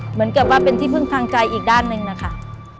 เหมือนกับว่าเป็นที่พึ่งทางใจอีกด้านหนึ่งนะคะ